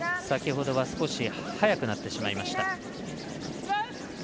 先ほどは少し速くなってしまいました。